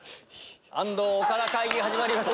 安藤岡田会議始まりました。